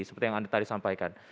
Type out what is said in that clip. seperti yang anda tadi sampaikan